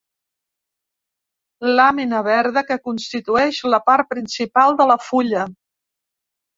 Làmina verda que constitueix la part principal de la fulla.